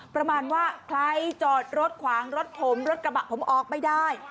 ประมาณว่าใครจอดรถขวางรถผมรถกระบะผมออกไม่ได้